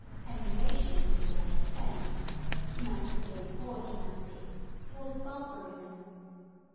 Emulation in display tends, humanity being poor humanity, to wards barbarism.